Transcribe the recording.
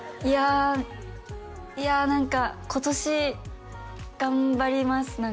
いやいや何か今年頑張ります